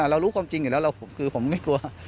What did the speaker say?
เรารู้ความจริงอยู่แล้วคือผมไม่กลัว